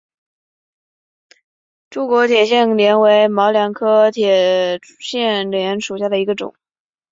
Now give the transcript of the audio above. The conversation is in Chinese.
柱果铁线莲为毛茛科铁线莲属下的一个种。